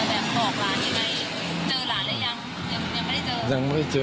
เจอหลานเลยยังยังไม่ได้เจอ